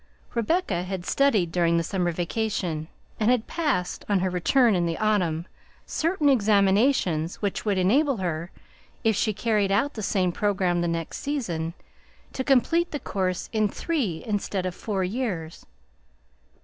Rebecca had studied during the summer vacation, and had passed, on her return in the autumn, certain examinations which would enable her, if she carried out the same programme the next season, to complete the course in three instead of four years.